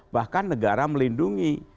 bahkan negara melindungi